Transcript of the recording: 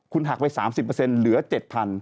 คุณหักไป๓๐เหลือ๗๐๐